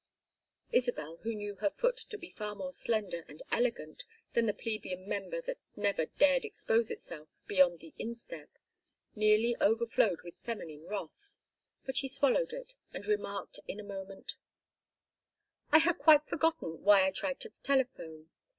Isabel, who knew her foot to be far more slender and elegant than the plebeian member that never dared expose itself beyond the instep, nearly overflowed with feminine wrath; but she swallowed it, and remarked in a moment: "I had quite forgotten why I tried to telephone.